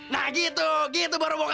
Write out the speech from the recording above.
nah gitu gitu baru bokap aku